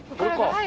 はい。